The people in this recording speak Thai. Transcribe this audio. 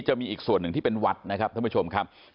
จะมีอีกส่วนนึงที่เป็นวัดทุกผู้ชมครับ